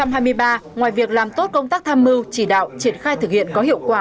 năm hai nghìn hai mươi ba ngoài việc làm tốt công tác tham mưu chỉ đạo triển khai thực hiện có hiệu quả